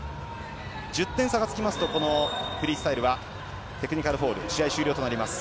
１０点差がつきますとこのフリースタイルはテクニカルフォールで試合終了となります。